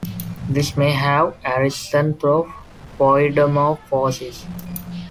This may have arisen through paedomorphosis.